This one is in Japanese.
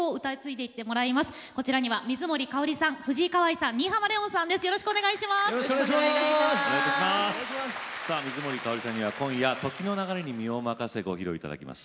さあ水森かおりさんには今夜「時の流れに身をまかせ」ご披露いただきます。